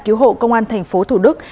cứu hộ công an thành phố thủ đức